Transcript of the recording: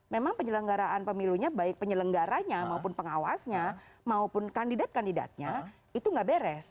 memang penyelenggaraan pemilunya baik penyelenggaranya maupun pengawasnya maupun kandidat kandidatnya itu nggak beres